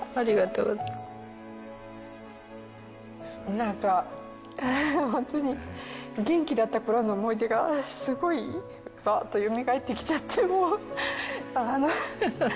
なんかホントに元気だった頃の思い出がすごいバーッとよみがえってきちゃってもう。